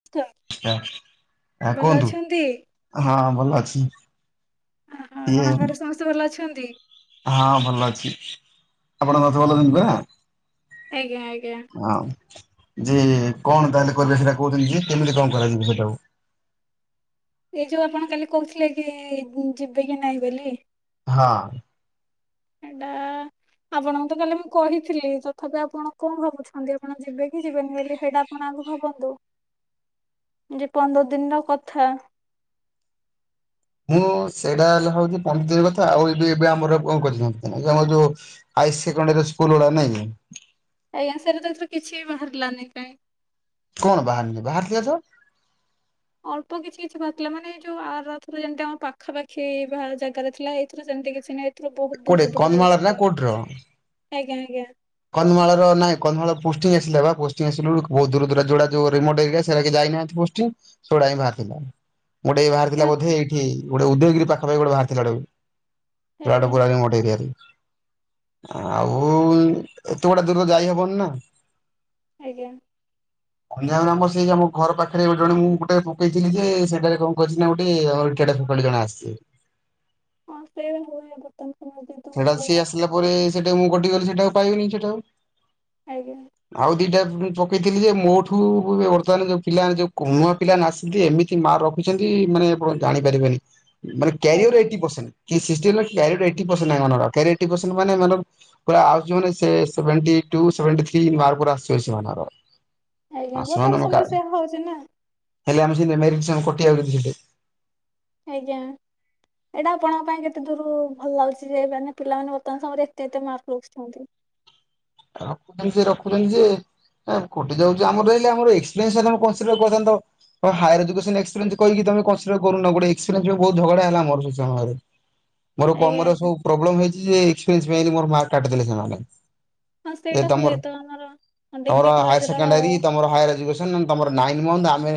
[unintelligible] ଚ୍ଛା ଆଁ ଭଲ କୁହନ୍ତୁ ଅଛନ୍ତି? ହଁ ଭଲ ଅଛି। [unintelligible] ଇଏ ଆପଣଙ୍କ ଘରେ ସମସ୍ତେ ଭଲ ଅଛନ୍ତି। ହଁ ଭଲ ଅଛି ଆପଣ। [unintelligible] ଆଜ୍ଞା ଆଜ୍ଞା। ଆଉ ଯେ କଣ ତାହେଲେ କରିବେ ସେଟା କହୁଚନ୍ତି ଯେ କେମିତି କଣ କରାଯିବ ସେଟାକୁ। ଏଇ ଯୋଉ ଆପଣ କାଲି କୋହୁଥିଲେ କି ବୁ ଯିବେ କି ନାଇଁ ବେଲି। ହଁ। ଏଡ଼ା ଆପଣଙ୍କୁ ତ କାଲି ମୁଁ କହିଥିଲି ତଥାପି ଆପଣ କଣ ଭାବୁଛନ୍ତି ଆପଣ ଯିବେ କି ଯିବେନି ବେଲି ହେଇଡ଼ା ଆପଣ ଆଗୁ ଭାବନ୍ତୁ। [inaudible] ଯେ ପନ୍ଦର ଦିନର କଥା। ମୁଁ ସେଇଡ଼ା ହେଲା ହୋଉଛି [unintelligible] କଥା ଆଉ ଏବେ ଏବେ ଆମର କଣ କରି [unintelligible] ଆମର ଯୋଉ ହାଇ ସେକ୍ରଣ୍ଡାରୀ ସ୍କୁଲ୍ ଗୁଡା ନାଇଁ କି। ଆଜ୍ଞା ସାର୍ [unintelligible] ଏଥର କିଛି ବି ବାହାରିଲାନି କାଇଁ। କଣ ବାହାରିନି ବାହାରିଥିଲା ତ। ଅଳ୍ପ କିଛି କିଛି ବାହାରିଥିଲା ମାନେ ଏଇ ଯୋଉ ଆରଥର ଯେମିତି ଆମ ପାଖାପାଖି ବାହା ଜାଗରେ ଥିଲା ଏଇଥିର ସେମିତି କିଛି ନାଇଁ। ଏଥର ବୋହୁତ କୋଉଠି ଦୂର ଦୂର ଜାଗାରେ କନ୍ଧମାଳରେ ନା ଥିଲା ଆଜ୍ଞା ଆଜ୍ଞା। କନ୍ମାଳର ନାଇଁ କନ୍ଧମାଳ ପୋଷ୍ଟିଙ୍ଗି ଆସିଲାବା ପୋଷ୍ଟିଙ୍ଗି ଆସିଲା ବୋଳୁକୁ ବୋହୁତ ଦୂର ଦୂର ଯୋଡ଼ା ଯୋଉ [unintelligible] ସେରା କେହି ଯାଇନାହାନ୍ତି। ପୋଷ୍ଟିଙ୍ଗୀ ସେଗୁଡା ହିଁ ବାହାରିଥିଲା। ଗୋଟେ ଏଇ ବାହାରଥିଲା ବୋଧେ ବାହାରିଥିଲା ଏଇଠି ଗୋଟେ ଉଦୟଗିରି ପାଖାପାଖି ଗୋଟେ ବାହାରଥିଲା। ଆଜ୍ଞା [unintelligible] ଏରିଆରେ ଆଉ ଏତେ ଗୁଡା ଦୁର ଯାଇହବନି ନା। ଆଜ୍ଞା। [inaudible] [unintelligible] ଆମର ସେଇ ଯୋଉ ଆମ ଘର ପାଖେରେ ଗୋ ଜଣେ ମୁଁ ଗୋଟେ ପକେଇଥିଲି ଯେ ସେଟାରେ କଣ କରିଛି ନା ଗୋଟେ ସେଟା [unintelligible] ଜଣେ ଆସିଛି। ହଁ ସେଇଆ ଭା ହୁଏ। [unintelligible] ଯେହେତୁ ସେଡ଼ା ସିଏ ଆମର ଆସିଲା ପରେ ସେଟା ମୁଁ କଟିଗଲି ସେଟା ଆଉ ପାଇବନି ସେଟା ଆଉ। ଆଜ୍ଞା। ଆଉ ଦିଟା ଉଁ ପକେଇଥିଲି ଯେ ମୋଠୁ ବୁ ବର୍ତ୍ତମାନ ଯୋଉ ପିଲାମାନେ ଯୋଉ କୋମା ପିଲା [unintelligible] ଏମିତି ମାର ରଖିଛନ୍ତି ମାନେ ଆପଣ ଜାଣିପାରିବେନି। ମାନେ କ୍ୟାରିଅର ଆଜ୍ଞା ଏଇଟି ପସେଣ୍ଟ କି ଏସି ଏଷ୍ଟି ବାଲା କ୍ୟାରିଅର ଟା ଏଇଟି ପସେଣ୍ଟ ତାଙ୍କ ମାନଙ୍କର ଆଉ କ୍ୟାରିଅର ଏଇଟି ପସେଣ୍ଟ ମାନେ ମାନ ଙ୍କର ଆଉ ଯୋଉ ମାନେ ସେ ସେଭେଣ୍ଟୀ ଟୁ ସେଭେଣ୍ଟୀ ଥ୍ରୀ ଇନି ମାର୍କ ପୁରା ଆସିବ ସେମାନଙ୍କର। ଆଜ୍ଞା ଆଉ ବର୍ତ୍ତମାନ ସେମାନଙ୍କ ସମୟରେ କାସ ସେଇଆ ହଉଛି ନା ହେଲେ ଆମେ [unintelligible] କଟିଯାଉଚନ୍ତି ସେଠୀ। ଆଜ୍ଞା। ଏଇଡ଼ା ଆପଣଙ୍କ ପାଇଁ କେତେ ଦୂରୁ ଭଲ ଲାଗୁଛି ଯେ ମାନେ ପିଲାମାନେ ବର୍ତ୍ତମାନ ସମୟରେ ଏତେ ଏତେ ମାର୍କ ରଖୁଛନ୍ତି। ରଖୁଚନ୍ତି ଯେ ରଖୁଛନ୍ତି ଯେ ହେଁ କଟିଯାଉଚି ଆମର ହେଲେ ଆମର ଏକ୍ସପେରିଏନ୍ସ ହେଲେ ଆମ କନ୍ସିଡର୍ କରନ୍ତ। ତମ ହାଇଅର୍ ଏଜୁକେସନ ଏକ୍ସପେରିଏନ୍ସ କହିକି ତମେ କନ୍ସିଡର୍ କରୁନ ଗୋଟେ ଏକ୍ସପେରିଏନ୍ସ [unintelligible] ବୋହୁତ ଝଗଡ଼ା ହେଲା ଆମର ସେଇ ସମୟରେ। ମୋରୋ ଆଜ୍ଞା କମର ଆଜ୍ଞା ସବୁ ପ୍ରୋବ୍ଲୋମ ହେଇଚି ଯେ ଏକ୍ସପେରିଏନ୍ସ ପାଇଁ ବି ମୋରୋ ମାର୍କ କାଟିଦେଲେ ସେମାନେ। ହଁ ଯେ ସେଇଟା ହୁଏ ତମର ତ ଆମର ଡିଗ୍ରୀ ତମର ହାଇଅର୍ କଲେଜର ସେକେଣ୍ଡାରୀ ତମର ହାଇଅର ଏଯୁକେ ନା ନା ତମର ନାଇ ମନ୍ଥ ଆମେ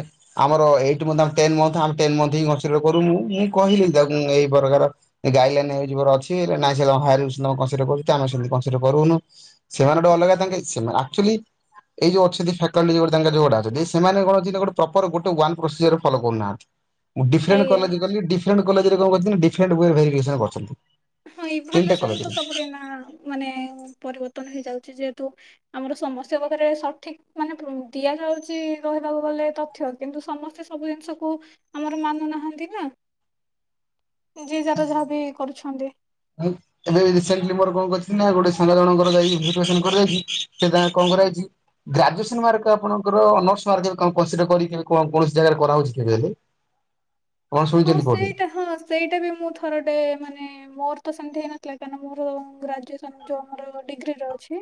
ଆମର ଏଇଥ ମନ୍ଥ ଆମେ ଟେନ ମନ୍ଥ ଆମେ ଟେନ ମନ୍ଥ ହିଁ କନ୍ସିଡର୍ କରୁୁ ମୁଁ କହିଲି ତାକୁ ଏଇ ପରକାର ଏ ଗାଇଡ ଲାଇନ୍ ହେଇ ଯିବାର ଅଛି ନା ସେ ହଁ ହାୟର ରିକ୍ସ ନୋ କନ୍ସିଡର୍ କରୁଚି ଆମର ସେମିତି କନ୍ସିଡର୍ କରୁନୁ। ସେମାନେ ଗୋଟେ ଅଲଗା ତାଙ୍କେ ସେମାନେ ଆକଚୁଆଲି ଏଇ ଯଉ ଅଛନ୍ତି ଫାକଲ୍ଟି ତାଙ୍କ ଯୋଉ ତାଙ୍କ ଯୋଉ ଏରା ସେମାନେ କଣ ଯଦି ପ୍ରପର ଗୋଟେ ୱାନ୍ ପ୍ରୋସିଜର ଫଲୋ କରୁନାହାନ୍ତି। ମୁଁ ଡିଫରେଣ୍ଟ ଆଜ୍ଞା କଲେଜ୍ ଗଲି ଡିଫରେଣ୍ଟ କଲେଜ୍ ରେ କଣ କରୁଛନ୍ତି ଡିଫରେଣ୍ଟ ଓୱେ ରେ ଭରିଫିକେସନ କରିଛନ୍ତି। ହଁ ଏଭଲୁସନ୍ ତ ସବୁଠି ନା ମାନେ ପରିବର୍ତ୍ତନ ହେଇଯାଉଛି ଯେହେତୁ ଆମର ସମସ୍ୟା ପାଖରେ ସଠିକ ମାନେ ଉ ଦିଆଯାଉଛି ରହିବାକୁ ଗଲେ ତ ତ୍ୟ କିନ୍ତୁ ସମସ୍ତେ ସବୁ ଜିନିଷକୁ ଆମର ମାନୁନାହାନ୍ତି ନା। ଯିଏ ଯାହାର ଯାହା ବିି କରୁଛନ୍ତି। ଏବେ ରସେଣ୍ଟଲି ମୋର କଣ କରିଛି ନା ଗୋଟେ ସାଙ୍ଗ ଜଣଙ୍କର ଯାଇଛି ଭରିଫିକେସନ କରିବା ପାଇଁ ସେ ତାଙ୍କ କଣ କରା ହେଇଛି ଗ୍ରାଜୁଏସନ ମାର୍କ ଆପଣଙ୍କର ଅନର୍ସ ମାର୍କରେ କ କନସିଡରବ କରିକି କୌଣସି ଜାଗାରେ କରାହଉଛି କି କଣ କହିଲେ। ହଁ ସେଇଟା ହଁ ସେଇଟା ବି ମୁଁ ଥରଟେ ମାନେ ମୋର ତ ସେମିତି ହେଇନଥିଲା, କାରଣ ମୋର ଗ୍ରାଜୁଏସନ ଯୋଉ ମୋର ଡିଗ୍ରୀରେ ଅଛି।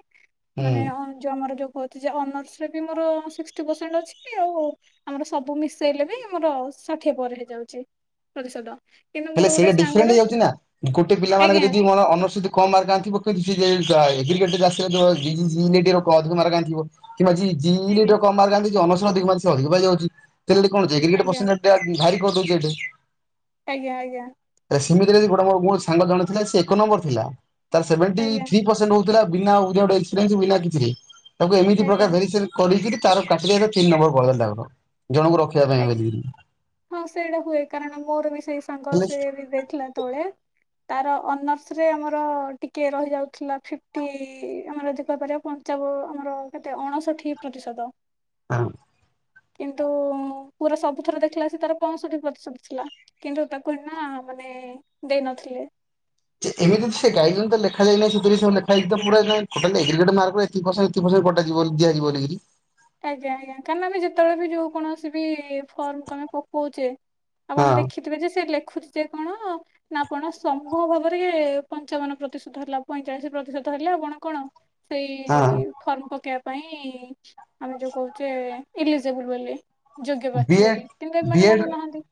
ହୁଁ ମାନେ ଅନ୍ ଯଉଁ ଆମର, ଯୋଉ କହୁଛି ଯେ ଅନର୍ସରେ ବି ମୋର ସିକ୍ସଟି ପରସେଣ୍ଟ ଅଛି ଆଉ ଆମର ସବୁ ମିଶେଇଲେ ବି ମୋର ଷାଠିଏ ପରେ ହେଇଯାଉଛି। ପ୍ରତିଶତ। କିନ୍ତୁ ହେଲେ ମୋର ଗୋଟେ ସେଇଟା ଡିଫରେଣ୍ଟ ସାଙ୍ଗର ହେଇଯାଉଛି ନା, ଗୋଟେ ପିଲାମାନଙ୍କର ଆଜ୍ଞା ଯଦି ମୋର ଅନର୍ସ କମ ମାର୍କ ଆଣିଥିବ, କିନ୍ତୁ [unintelligible] ଆସିଥିଲା ଯୋଉ [unintelligible] ଅଧିକ ମାର୍କ ଆଣିଥିବ। କିମ୍ବା ଜି ଜି ଇ ଆଜ୍ଞା ରେ କମ ମାର୍କ ଆଣିଛି ଅନର୍ସରେ ଅଧିକ ମାର୍କ ଅଧିକ ପାଇଯାଉଛି ତାହାଲେ ଏଠି ଜେଗ୍ରିକେଟ ଆଜ୍ଞା ପସ ଟେଜ୍ ଟା ଭାରି କରିଦଉଛି ଏଠି। ଆଜ୍ଞା ଆଜ୍ଞା। ସେମିତିରେ ଗୋଟ ମୋର ମୋ ସାଙ୍ଗ ଜଣେ ଥିଲା, ସେ ଏକ ନମ୍ବର ଥିଲା ତାର ସେଭେଣ୍ଟି ଆଜ୍ଞା ଥ୍ରୀ ପରସେଣ୍ଟ ହଉ ଥିଲା ବିନା ୱିଦଆଉଟ୍ ଏକ୍ସପ୍ରିୟେନ୍ସ ବିନା କିଛିରେ ତାକୁ ଏମିତି ଆଜ୍ଞା ପ୍ରକାର [unintelligible] କରିକିରି ତାର କାଟି ଦେଲେ ତିନି ନମ୍ବର କରିଦେଲେ ତାଙ୍କର ଜଣଙ୍କୁ ରଖିବା ପାଇଁ ଆଜ୍ଞା ବଲିକି ହଁ ସେଇଟା ହୁଏ କାରଣ ମୋର ବି ସେଇ ସାଙ୍ଗ, ହେଲେ ସେ ବି ଯାଇଥିଲା ତଳେ ତାର ଅନର୍ସରେ ଆମର ଟିକେ ରହି ଯାଉଥିଲା, ଫିଫଟି ଆମର [inaudible] ପଞ୍ଚାବ ଆମର କେତେ ଅଣଷଠି ପ୍ରତିଶତ। ହଁ। କିନ୍ତୁ ପୁରା ସବୁଥର ଦେଖିଲା ଅଶିକି, ସେ ତାର ପଞ୍ଚଷଠି ପ୍ରତିଶତ ଥିଲା। କିନ୍ତୁ ତାକୁ ଏ ନା ମାନେ ଦେଇ ନଥିଲେ। ସେ ଏମିତି ସେ ଗାଇଡରେ ଲେଖାଯାଇ ନାଇଁ ସେଥିରେ, ସେଥିରେ ଲେଖାଯାଇଛି ପୁରା ଏ ଏଗ୍ରିଗେଡ ମାର୍କ ରୁ ଏତିକି ଏତିିକି ଏତିିକି ପରସେନ୍ଟ କଟା ଯିବ, ଦିଆଯିବନି କିଛି। ଆଜ୍ଞା ଆଜ୍ଞା କାରଣ ନା ଆମେ ଯେତେବେଳେ ବି ଯୋଉ କୌଣସି ବି ଫର୍ମକୁ ଆମେ ପକଉଛେ ଆପଣ ହଁ ଦେଖିଥିବେ ଯେ ସେ ଲେଖୁଛି ଯେ କଣ ନା ଆପଣ ସମୂହ ଭାବରେ ପଞ୍ଚାବନ ପ୍ରତିଶତ ହେଲା, ପଇଁଚାଳିଶ ପ୍ରତିଶତ ହେଲା ଆପଣ କଣ? ସେଇ ହଁ ଫର୍ମ ପକେଇବା ପାଇଁ ଆମେ ଯୋଉ କହୁଛେ ଇଲିଜିବୁଲ୍ ବୋଲି ଯୋଗ୍ୟ ବି ପ୍ରାର୍ଥୀ ଏଡ୍ ବୋଲି କିନ୍ତୁ ବି ଏମାନେ ଏଡ୍ ମାନୁନାହାନ୍ତି।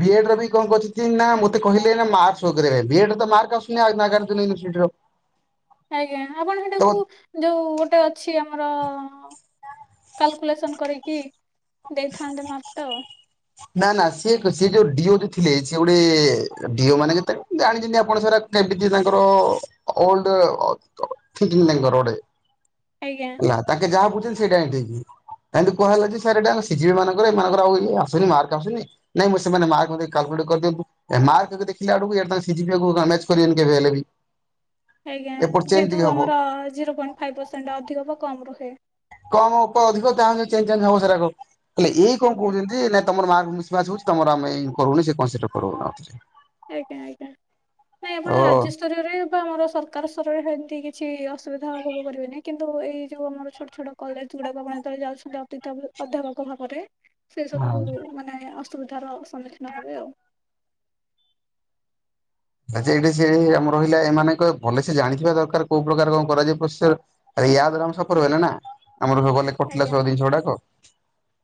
ବି ଏଡ ର ବି କରିଛନ୍ତି ନା ମୋତେ କହିଲେ ନା ମାର୍କ ଶୋ କରିବା ବୋଲି ବି ଏଡ ତ ମାର୍କ ଆସୁନି ଆଉ ନାଗାର୍ଜୁନ ୟୁନିଭର୍ସିଟିର। ଆଜ୍ଞା ଆପଣ ତ ସେଟାକୁ ଯୋଉ ଗୋଟେ ଅଛି ଆମର କାଲକୁଲେସନ୍ କରିକି ଦେଇଥାନ୍ତେ ମାର୍କଟା ଆଉ। ନା ନା ସିଏ ସେ ଯୋଉ ଡିଓ ଟି ଥିଲେ, ସିଏ ଗୋଟେ ଡିଓ ମାନେ କେତେ ଜାଣିଛନ୍ତି ଆପଣ ସାରା କେମିତି ତାଙ୍କର ଓଲଡ ଥିଙ୍କିଂ ତାଙ୍କର ଗୋଟେ ଆଜ୍ଞା। ହେଲା ତାଙ୍କେ ଯାହା ବୁଝିବେ ସେଇଟା ହିଁ ଠିକ୍। ଏମିନ୍ତି କୁହାହେଲା କି ସାର୍ ଏଇଟା ସିଯିଏଲ୍ ଏ ମାନଙ୍କର ଆଉ ଆସୁନି ମାର୍କ ଆସୁନି। ନାଇଁ ମୁଁ ସେମାନେ ମା [unintelligible] କାଲକୁଲେଟ୍ କରିିଦିଅନ୍ତୁ। ଏ ମାର୍କ ଦେଖିଲା ଆଡ଼କୁ ଇଆଡ଼େ [unintelligible] କରିବେନି କେବେ ହେଲେ ବି। ଆଜ୍ଞା ଏପଟ ଚେଞ୍ଜ ଯେହେତୁ ଟିକେ ହବ ଆମର ଜିରୋ ପଏଣ୍ଟ ଫାଇଭ୍ ପରସେଣ୍ଟ ଅଧିକ ବା କମ୍ ରହେ। କମ୍ ଉପ ଅଧିକ ତାହେଲେ ଚେଞ୍ଜ ଚାଞ୍ଜ ହବ ସେରାକ ହେଲେ ଏଇ କଣ ଆଜ୍ଞା କହୁଛନ୍ତି ନା ତମର ମାର୍କ ମିସ୍ ମ୍ୟାଚ୍ ହଉଛି ତମର ଆମେ କରୁନି ସେ [unintelligible] କର। ଆଜ୍ଞା ଆଜ୍ଞା ନାଇଁ ଓ ଆପଣ ରାଜ୍ୟ ରାଜ୍ୟସ୍ତରୀୟ ରେ ବା ଆମର ସରକାର ସ୍ତରରେ ଏମିତି କିଛି ଅସୁବିଧା ଭୋଗ କରିବେନି କିନ୍ତୁ ଏଇ ଯୋଉ ଆମର ଛୋଟ ଛୋଟ କଲେଜ୍ ଗୁଡ଼ାକ ଆପଣ ଯେତେବେଳେ ଯାଉଛନ୍ତି ଅତି ଅଧ୍ୟାପକ ଭାବରେ ସେ ହଁ। ସବୁ ମାନେ ଅସୁବିଧାର ସମ୍ମୁଖୀନ ହେବେ ଆଉ। ଆଚ୍ଛା ଏଇଠି ସେ ଆମର ରହିଲା ଏମାନଙ୍କ ଭଲ ସେ ଜାଣିଥିବା ଦରକାର କୋଉ ପ୍ରକାର କଣ କରାଯାଇ ପ୍ର ଆରେ ୟା ଦ୍ଵାରା ଆମେ ସଫର ଆଜ୍ଞା ହେଲେ ନା ଆମର ଗଲେ କଟିଲା ଆଜ୍ଞା। ସବୁ ଜିନିଷ ଗୁଡ଼ାକ।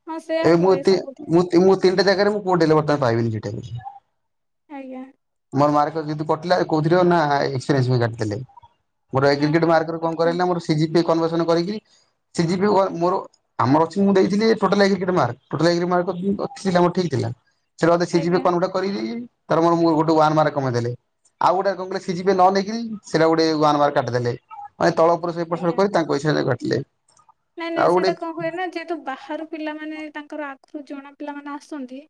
ହଁ ସେଇୟା ଏଇ ହୁଏ [unintelligible] ସବୁଥିରେ ତିନିଟା ଜାଗାରେ ମୁଁ କୋଉଠି ହେଲେ ବର୍ତ୍ତମାନ ପାଇବିନି [unintelligible] ଆଜ୍ଞା। ମୋର ମାର୍କ ଯେହେତୁ କଟିଲା କୋଉଥିରେ ନାଁ [unintelligible] ପାଇଁ କାଟି ଦେଲେ। ମୋର ହୁଁ [unintelligible] ହୁଁ ମାର୍କ ରୁ କଣ କରେଇଲି କରିଥାନ୍ତି ନା [unintelligible] କରିକି [unintelligible] ମୋର ଆମର ଅଛି ମୁଁ ଦେଇଥିଲି ଟୋଟାଲ୍ ହେଇକି କେତେ ମାର୍କ ଟୋଟାଲ୍ ହେଇକି ମାର୍କ [unintelligible] ଠିକ୍ ଥିଲା। ସେ ମତେ [unintelligible] ଆଜ୍ଞା କଣ ଗୋଟେ କରିକି ଦେଇଛି ତାର ମୋର ଗୋଟେ ୱାନ ମାର୍କ କମେଇଦେଲେ ଆଉ ଗୋଟେ କଣ କହିଲେ ସି ଜି ପି ଏ ନ ନେଇକି ସେଟା ଗୋଟେ ୱାନ ମାର୍କ କାଟିଦେଲେ ମାନେ ତଳ ଏପଟ ସେପଟ ଆଜ୍ଞା। କରି ତାଙ୍କ ଇଚ୍ଛା ରେ କାଟିଲେ। ନାଇଁ ଆଉ ନାଇଁ ଗୋଟେ ସେଇଟା କଣ ହୁଏ ନା ଯେହେତୁ ବାହାରୁ ପିଲାମାନେ ତାଙ୍କର ଆଗରୁ ଜଣା ପିଲାମାନେ ଆସନ୍ତି।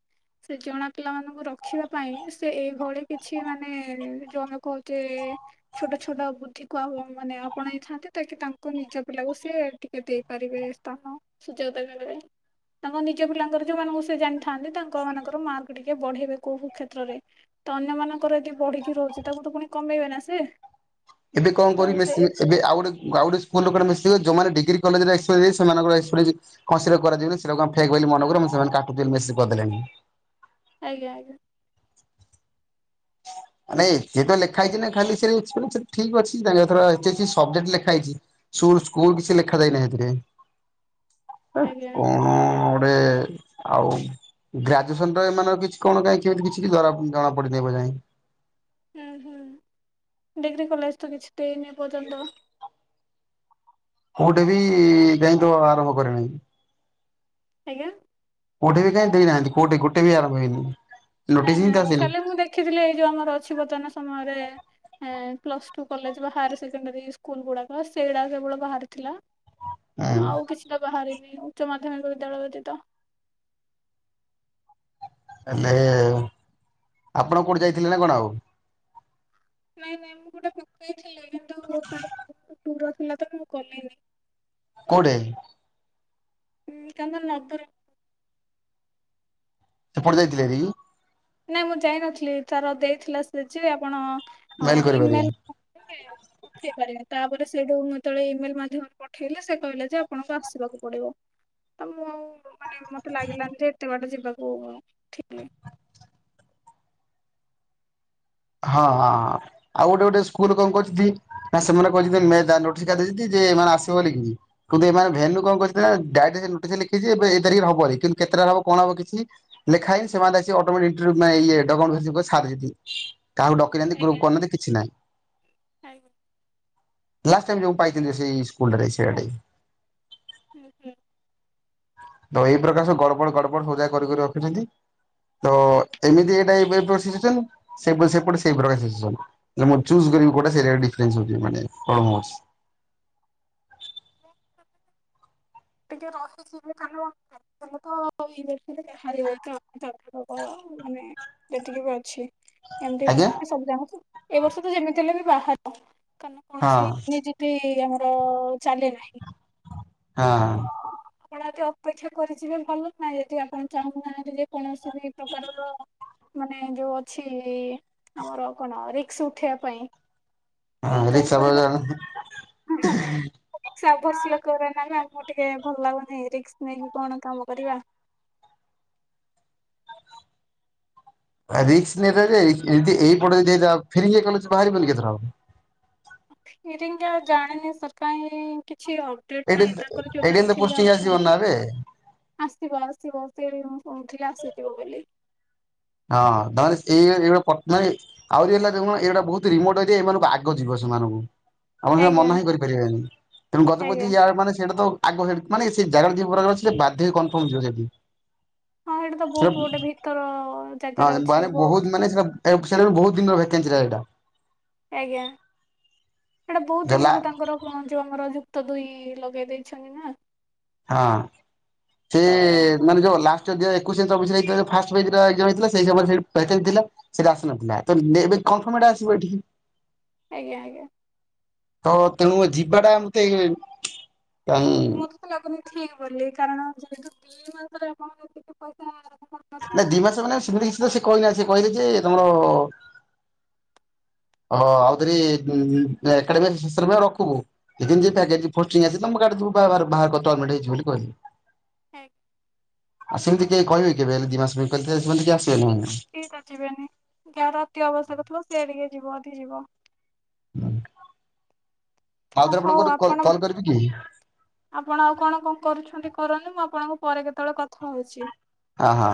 ସେ ଜଣା ପିଲାମାନଙ୍କୁ ରଖିବା ପାଇଁ ସେ ଏଇଭଳି କିଛି ମାନେ ଯୋଉ ଆମେ କହୁଛେ ଛୋଟ ଛୋଟ ବୁଦ୍ଧିକୁ ଆଉ ମାନେ ଆପଣେଇଥାନ୍ତି ତାହାକି ତାଙ୍କୁ ନିଜ ପିଲାକୁ ସେ ଟିକେ ଦେଇପାରିବେ ସ୍ଥାନ ସୁଯୋଗ [unintelligible] ତାଙ୍କ ନିଜ ପିଲାଙ୍କର ଯୋଉମାନଙ୍କୁ ସେ ଜାଣିଥାନ୍ତି ତାଙ୍କ ମାନଙ୍କର ମାର୍କ ଟିକେ ବଢେଇବେ କୋଉ କୋଉ କ୍ଷେତ୍ରରେ। ତ ଅନ୍ୟମାନଙ୍କର ଯଦି ବଢି଼କି ରହୁଛି ତାକୁ ତ ପୁଣି କମେଇବେ ନା ସେ। ଏବେ କଣ ତ କରିବେ ସେ ସିଏ ଏବେ ଆଉ ଗୋଟେ ଆଉ ଗୋଟେ ସ୍କୁଲ୍ କୁଆଡ଼େ ମିଶିବେ ଯୋଉମାନେ ଡ଼ିଗ୍ରୀ କଲେଜ୍ ରେ [unintelligible] ସେମାନଙ୍କ ର [unintelligible] [unintelligible] ବେଶୀ କରିଦେଲେ। ଆଜ୍ଞା ଆଜ୍ଞା। [inaudible] ନାଇଁ ଏଥିରେ ଲେଖାହେଇଛି ନା ଖାଲି ସେଇ [unintelligible] ଠିକ୍ ୱାର୍ଡସ୍ ଜାଣିବା ଦ୍ଵାରା [unintelligible] ସବଜେକ୍ଟ୍ ଲେଖାହେଇଛି। [unintelligible] ସ୍କୁଲ୍ କିଛି ଲେଖା ଯାଇନାହିଁ ଏଥିରେ। ଆଜ୍ଞା କଣ ଗୋଟେ ଆଉ ଗ୍ରାଜୁଏସନ୍ ର ଏମାନଙ୍କର କିଛି କଣ କାହିଁ କେମିତି କିଛି ଧରା ଜଣା ପଡ଼ିନାହିଁ ଏବେ ଯାଏ। ହୁଁ ହୁଁ ଡ଼ିଗ୍ରୀ କଲେଜ ତ କିଛି ଦେଇନି ଏପର୍ଯ୍ୟନ୍ତ। ମୋ ଟା ବି [unintelligible] ଆରମ୍ଭ କରିନି। ଆଜ୍ଞା। [unintelligible] ବି କାହିଁ ଦେଇନାହାନ୍ତି କୋଉଠି ଗୋଟେ ବି ଆରମ୍ଭ ହେଇନି। ନାଇଁ ନୋଟିସ ହିଁ ତ ନାଇଁ ଆସିନି ଖାଲି ମୁଁ ଦେଖିଥିଲି ଏଇ ଯୋଉ ଆମର ଅଛି ବର୍ତ୍ତମାନ ସମୟରେ ଏଁ ପ୍ଲସ ଟୁ କଲେଜ୍ ବା ହାୟାର ସେକେଣ୍ଡାରୀ ସ୍କୁଲ୍ ଗୁଡ଼ାକ ସେଇଟା କେବଳ ବାହାରିଥିଲା। ହୁଁ ଆଉ କିଛିଟା ବାହାରିନି ଉଚ୍ଚ ମାଧ୍ୟମିକ ବିଦ୍ୟାଳୟ ବ୍ୟତୀତ। ହେଲେ ଆପଣ କୋଉଠି ଯାଇଥିଲେ ନା କଣ ଆଉ? ନାଇଁ ନାଇଁ ମୁଁ ଗୋଟେ ପକେଇଥିଲି। କିନ୍ତୁ ତାର [inaudible] ଦୂର ଥିଲା ତ ମୁଁ ଗଲିନି। କୋଉଠି? [unintelligible] ସେପଟେ ଯାଇଥିଲେ ହେରି? ନାଇଁ ମୁଁ ଯାଇନଥିଲି ତାର ଦେଇଥିଲା ସେ ଯେ ଆପଣ ଅ ମେଲ କରିପାରିବେ। ଇ-ମେଲ୍ [inaudible] ଦେଇପାରିବେ ତାପରେ ସେଇଠୁ ମୁଁ ଯେତେବେଳେ ଇ-ମେଲ୍ ମାଧ୍ୟମରେ ପଠେଇଲି ସେ କହିଲେ ଯେ ଆପଣଙ୍କୁ ଆସିବାକୁ ପଡ଼ିବ। ତ ମୁଁ ଆଉ ମାନେ ମୋତେ ଲାଗିଲାନି ଯେ ଏତେ ବାଟ ଯିବାକୁ ଠିକ ହଁ ହଁଁ ଆଉ ଗୋଟେ ଗୋଟେ ସ୍କୁଲ କଣ କରିଚିତି ନା ସେମାନେ କହିଚିତି ମେ ଦା ନୋଟିସ୍ ଦେଇଚିତି ଯେ ଏମାନେ ଆସିବେ ବୋଲିକିରି କିନ୍ତୁ ଏମାନେ ଭେନୁ କଣ କରିଛନ୍ତି ନା ଡାଇରେକ୍ଟ ସେ ନୋଟିସ୍ ରେ ଲେଖିଛି ଏଇ ତାରିଖ ରେ ହବ କିନ୍ତୁ କେତେଟାରେ ହବ କଣହବ କିଛି ଲେଖା ହେଇନି ସେମାନେ ଆସି ଅଟୋମେଟିକ ଇଣ୍ଟର୍ଭ୍ୟୁ ମାନେ ଇଏ ଏଟାକଣ ଯୁକ ସାରିସିତି। କାହାକୁ ଡକେଇନାହାନ୍ତି ଗ୍ରୁପ୍ କରିନାହାନ୍ତି କିଛି ନାହିଁ। ଆଜ୍ଞା। ଲାଷ୍ଟ ଟାଇମ୍ ଯୋଉ ମୁଁ ପାଇଥିଲି ସେଇ ସ୍କୁଲଟାରେ ସିଆଡ଼େ। ହୁଁ ହୁଁ। ତ ଏଇ ପ୍ରକାର ସବୁ ଗଡ଼ବଡ଼ ଗଡ଼ବଡ଼ ସବୁଯାକ କରିିକି ରଖିଛନ୍ତି। ତ ଏମିତି ଏଇଟା ଏବେ ପ୍ରସି [inaudible] ସେଈପଟ ସେଇପଟ ସେଇପଟ [inaudible] କଉଟା ଟିକି ରହିଯିବି ତାଙ୍କ ବର୍ଷରେ ଯାହାର ଲ ମାନେ। [inaudible] ଯେତିକି ବି ଅଛି ଏମିତି ଆଜ୍ଞା ଭ ସବୁ ଜାଗ ତ ଏଇ ବର୍ଷ ତ ଯେମିତି ହେଲେ ବି ବାହାର। କାରଣ କୌଣସି ହଁ। ନିଯୁତି ଆମର ଚାଲି ନାହିଁ। ହଁ। ଆପଣ ଯଦି ଅପେକ୍ଷା କରିଯିବେ ଭଲ ନାଁ ଯଦି ଆପଣ ଚାହୁଁନାହାନ୍ତି ଯେ କୌଣସି ଦୀ ପ୍ରକାରର। ମାନେ ଯୋଉ ଅଛି ଆମର କଣ ରିକ୍ସ ଉଠେଇବା ପାଇଁ। ଆପ ରିକ୍ସ କରିବା ର ଭଷିଲ କର [inaudible] ମୁଁ ଟିକେ ଭଲ ଲାଗୁନି ରିକ୍ସ ନେଇକି କଣ କାମ କରିବା। ରିକ୍ସ ନେ ରାରେ ଏଇପଟ ଯଦି ଏରା ଫେରି କଲେ ବାହାରିବନିକି ଏଥର ଫିରିଙ୍ଗା ଜାଣିନି ସାର୍ କାଇଁ କିଛି। ଟ୍ରିଟ ଏଇଠି ନାହିଁ ତାଙ୍କର ଏଇଠି ଜଉମାନେବି ଏମିତି ଥିଲେ ପୋଷ୍ଟିଂ ଆସିବନି ଅଛନ୍ତି। ନା ଏବେ ଆସିବ ଆସିବ ସେ ମୁଁ କହୁଥିଲି ଆସିଯିବ ବୋଲି। ହଁ ତାମାନେ ସେ ଏଇ ଜିବେ ପଟ୍ଟନାୟକ [inaudible] ଆହୁରି ହେଲା ଦେଖୁନ ଏଇଗଟା ବହୁତ ରିମୋଟଏରିଆ ଏମାନଙ୍କୁ ଆଗ ଯିବ ସେମାନଙ୍କୁ। ଆପଣ ଜମା ଆଜ୍ଞା ମନା ହିଁ କରିପାରିବେନି ତେଣୁ ଗତପତି ଆଜ୍ଞା ଯାର ମାନେ ସେଇଟା ତ ଆଗ ହେଡ଼ ମାନେ ସେ ଜାଗାଟା ପ୍ର ବାଧ୍ୟ ହେଇ କନଫର୍ମ ଥିବ ସେଠି। ହଁ ହେଟା ତ ବହୁତ ଗୋଟେ ଭିତର ଅ ହଁ ମାନେ ବହୁତ ମାନେ ସେଟା ସେଟା ବହୁତ ଦିନରଭେକାନଚି ରହେ ସେଇଟା। ଆଜ୍ଞା ସେଟା ବହୁତ ଦେଲା ଦିନରୁ ତାଙ୍କର ଆପଣ ଯଉ ଆମର ଯୁକ୍ତ ଦୁଇ ଲଗେଇ ଦେଇେଇଛନ୍ତି ନା। ହଁ ସେ। ତ ମାନେ ଯୋଉ ଲାଷ୍ଟ ଦିଆ ଏକୋଇଶନା ଭାକାନ ଥିଲା ଚବିଶରେ ହେଇଥିଲା ଯଉ ଫାଷ୍ଟ ପେଜଟା ଏଗଜାମ ହେଇଥିଲା ସେଇ ସମୟରେ ସେଟା। ସେଟା ଆସିନଥିଲା ତ ଏବେ କନଫର୍ମ ଟା ଆସିବ ଏଠିକି।। ଆଜ୍ଞା ଆଜ୍ଞା। ହଁ ତେଣୁ ଯିବା ଟା ମତେ କ ମତେ ଲାଗୁନି ଠିକ ବୋଲି କାରଣ ଯେହେତୁ ଦି ମାସରେ ଆପଣରେ ପଇସା। ନଥିବେ ନା ଦି ମାସ ମାନେ ସେମିତି କି ସେ କହି ନାହାଁନ୍ତି ସେ କହିଲେ ଯେ ତମର। ହଁ ଆଉଥରେ ଏକାଡେମି ଶେଷରେ ପୁରା ରଖୁ। ତମ କାହାରଇିବ ବୋଲି କହିଲି [inaudible] [unintelligible] ଲଂ ଆଉ ସେମତି କିକହିବେ କି କେବେ ହେଲେ ଦିମାସ ବିତରେ ସେମାନେ କେହି ଆସିବେନି ମାନେ। ଠିକ ଅଛି ବ୍ୟାନି ଜାର ଅତି ଆବଶ୍ୟକ ଥିବ ସେି ଟିକେ ଯିବ ଯଦି ଯିବ। ଆଉଥରେ ଆପଣଙ୍କୁ ହଉ ଗୋଟେ ଆପଣ କଲ କରିବି କି। ଆପଣ ଆଉ କଣ କଣ କରୁଛନ୍ତି କରନ୍ତୁ ମୁଁ ଆପଣଙ୍କୁ ପରେ କେତେବେଳେ କଥା ହଉଛି। ଆହା।